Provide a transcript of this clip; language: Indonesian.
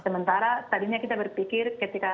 sementara tadinya kita berpikir ketika